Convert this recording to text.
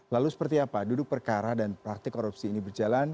lalu seperti apa duduk perkara dan praktik korupsi ini berjalan